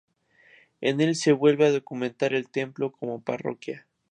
En el se vuelve a documentar el templo como parroquia.